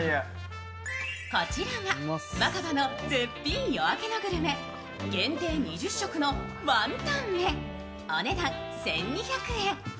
こちらが、若葉の絶品「夜明けのグルメ」限定２０食のワンタン麺お値段１２００円。